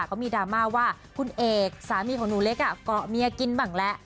เขามีดราม่าว่าคุณเอกสามีของหนูเล็กเกาะเมียกินบ้างแหละ